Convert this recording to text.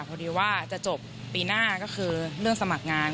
พอดีว่าจะจบปีหน้าก็คือเรื่องสมัครงาน